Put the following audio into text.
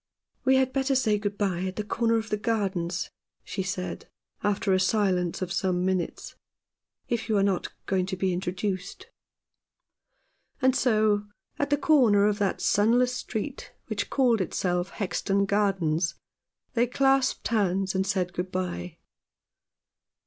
"We had better say good bye at the corner of the Gardens," she said, after a silence of some minutes, "if you are not going to be intro duced." And so at the corner of that sunless street which called itself Hexton Gardens, they clasped hands, and said good bye.